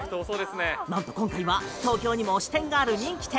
なんと今回は東京にも支店がある人気店